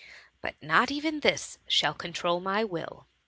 But not even this shall control my will.